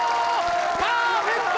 パーフェクト！